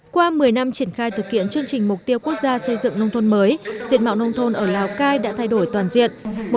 qua một mươi năm triển khai thực hiện chương trình mục tiêu quốc gia xây dựng nông thôn mới diện mạo nông thôn ở lào cai đã thay đổi toàn diện